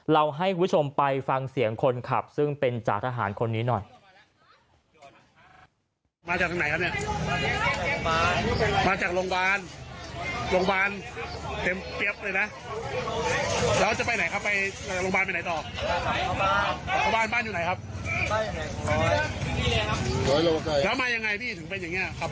ให้คุณผู้ชมไปฟังเสียงคนขับซึ่งเป็นจ่าทหารคนนี้หน่อย